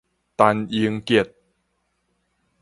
陳盈潔